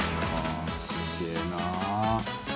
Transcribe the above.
すげえな。